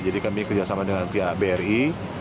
jadi kami kerjasama dengan pihak bri